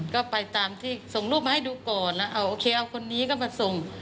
ก็ไปตามที่ส่งรูปมาให้ดูก่อนแล้วเอาโอเคเอาคนนี้ก็มาส่ง